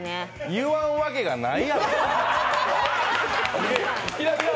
言わんわけがないやろ。